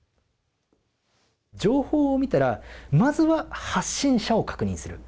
情報を見たらまずは発信者を確認する。